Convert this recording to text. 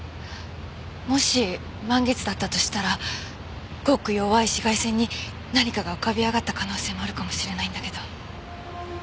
もし満月だったとしたらごく弱い紫外線に何かが浮かび上がった可能性もあるかもしれないんだけど。